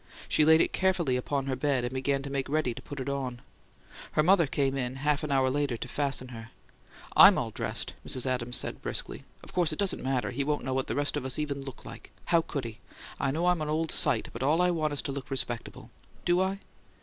She laid it carefully upon her bed, and began to make ready to put it on. Her mother came in, half an hour later, to "fasten" her. "I'M all dressed," Mrs. Adams said, briskly. "Of course it doesn't matter. He won't know what the rest of us even look like: How could he? I know I'm an old SIGHT, but all I want is to look respectable. Do I?"